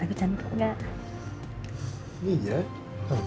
aku cantik gak